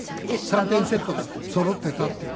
３点セットがそろっていたっていうのが。